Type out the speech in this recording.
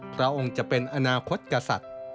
พระองค์จะเป็นอนาคตกษัตริย์